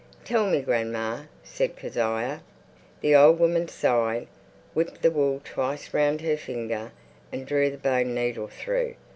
"Tell me, grandma," said Kezia. The old woman sighed, whipped the wool twice round her thumb, and drew the bone needle through.